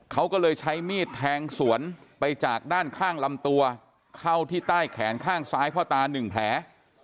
เขาก็เลยใช้มีดแทงสวนไปจากด้านข้างลำตัวเข้าที่ใต้แขนข้างซ้ายพ่อตาหนึ่งแผล